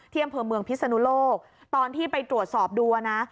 อำเภอเมืองพิศนุโลกตอนที่ไปตรวจสอบดูนะ